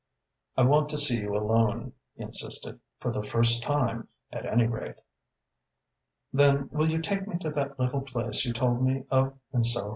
"I want to see you alone," he insisted, "for the first time, at any rate." "Then will you take me to that little place you told me of in Soho?"